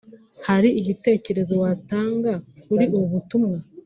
Hari igitekerezo watanga kuri ubu butumwa